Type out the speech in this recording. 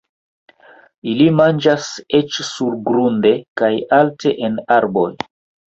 Ili manĝas eĉ surgrunde kaj alte en arboj.